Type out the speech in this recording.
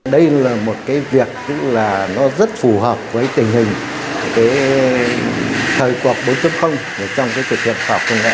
đây là một cái việc rất phù hợp với tình hình thời cuộc bốn trong cuộc thiệp học công nghệ